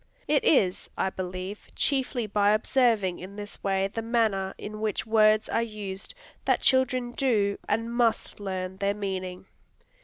It is, I believe, chiefly by observing in this way the manner in which words are used, that children do and must learn their meaning.